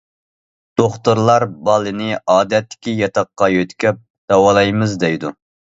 دوختۇرلار بالىنى ئادەتتىكى ياتاققا يۆتكەپ داۋالايمىز دەيدۇ.